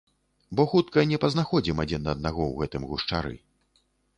Бо хутка не пазнаходзім адзін аднаго ў гэтым гушчары.